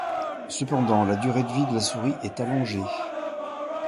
Cependant, la durée de vie de la souris est allongée.